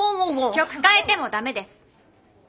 曲変えてもダメです！